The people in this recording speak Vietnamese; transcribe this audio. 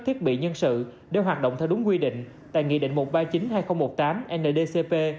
thiết bị nhân sự đều hoạt động theo đúng quy định tại nghị định một trăm ba mươi chín hai nghìn một mươi tám ndcp